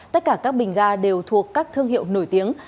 tất cả các bình ga đều thuộc các thương hiệu nổi tiếng